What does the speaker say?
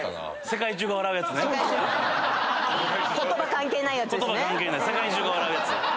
世界中が笑うやつ。